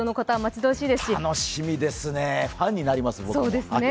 楽しみですね、ファンになります、僕も。